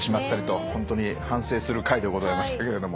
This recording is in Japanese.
本当に反省する回でございましたけれども。